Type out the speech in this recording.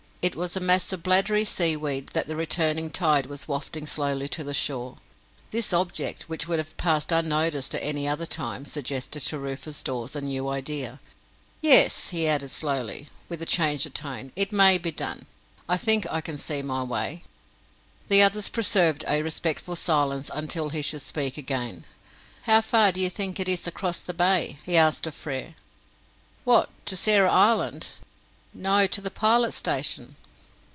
It was a mass of bladdery seaweed that the returning tide was wafting slowly to the shore. This object, which would have passed unnoticed at any other time, suggested to Rufus Dawes a new idea. "Yes," he added slowly, with a change of tone, "it may be done. I think I can see my way." The others preserved a respectful silence until he should speak again. "How far do you think it is across the bay?" he asked of Frere. "What, to Sarah Island?" "No, to the Pilot Station."